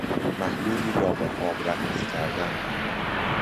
محلولی را با آب رقیق کردن